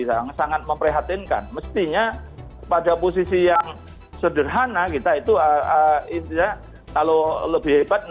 sangat sangat memprihatinkan mestinya pada posisi yang sederhana kita itu ya kalau lebih hebat